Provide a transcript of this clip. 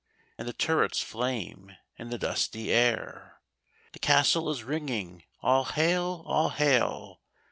And the turrets flame in the dusty air. The Castle is ringing, " All hail ! all hail